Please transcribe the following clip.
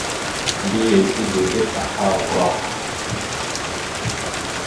Mbiyez tezlegeɗ aha rrok.